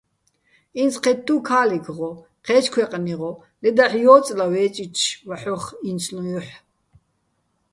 ინც ჴეთთუ́ ქა́ლიქ ღო, ჴე́ჩო̆ ქვეყნი ღო, ლე დაჰ̦ ჲო́წლა ვე́წიჩო̆ ვაჰ̦ოხ ი́ნცლუჼ ჲოჰ̦.